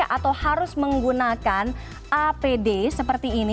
atau harus menggunakan apd seperti ini